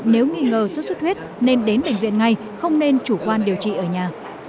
nếu nghi ngờ sốt xuất huyết nên đến bệnh viện ngay không nên chủ quan điều trị ở nhà